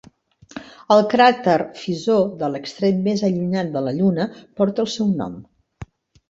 El cràter Fizeau de l'extrem més allunyat de la Lluna porta el seu nom.